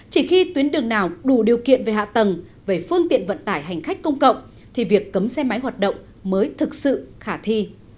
chỉ khi tuyến đường nào đủ điều kiện về hạ tầng về phương tiện vận tải hành khách công cộng thì việc cấm xe máy hoạt động mới thực sự khả thi